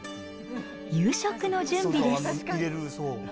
夕食の準備です。